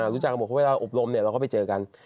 รู้จักกับผมเพราะเวลาอบรมเราก็ไปเจอกัน